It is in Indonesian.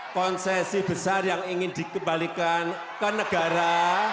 konsesi besar yang ingin dikembalikan ke negara